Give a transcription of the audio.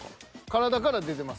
体から出てます。